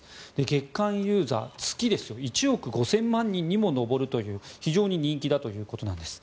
月間ユーザー月に１億５０００万人にも上るという非常に人気だということなんです。